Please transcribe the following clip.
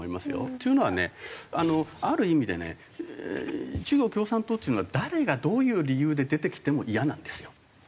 っていうのはねある意味でね中国共産党っていうのは誰がどういう理由で出てきてもイヤなんですよ。